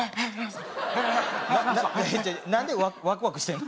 違う何でワクワクしてんの？